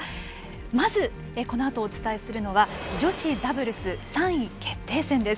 まず、このあとお伝えするのは女子ダブルスの３位決定戦です。